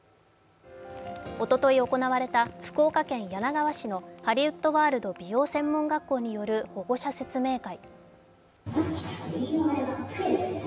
おととい行われた福岡県柳川市のハリウッドワールド美容専門学校による保護者説明会。